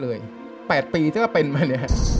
รายการต่อไปนี้เป็นรายการทั่วไปสามารถรับชมได้ทุกวัย